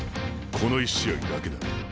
この１試合だけだ。